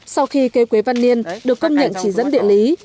sau khi cây quế văn yên được công nhận chỉ dẫn địa lý